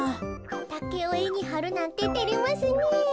タケをえにはるなんててれますねえ。